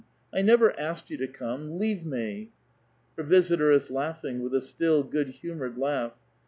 I never asked you to come ! Leave me !" Her visitor is laughing, with a still, good humored laugh.